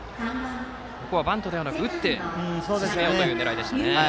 バントではなく打って進めようという狙いでした。